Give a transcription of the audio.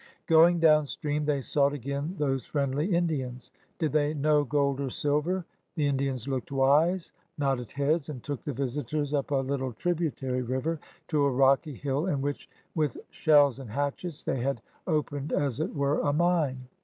Going down stream, they sought again those friendly Indians. Did they know gold or silver? The Indians looked wise, nodded heads, and took the visitors up a little tributary river to a rocky hill in which ''with shells and hatchets'' they had opened as it were a mine.